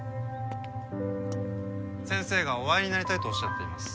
先生がお会いになりたいとおっしゃっています。